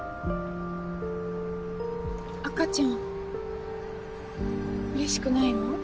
赤ちゃん嬉しくないの？